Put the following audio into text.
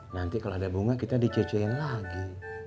nanti kalau ada bunga kita dicece yang lagi